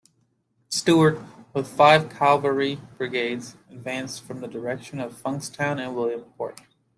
Stuart, with five cavalry brigades, advanced from the direction of Funkstown and Williamsport.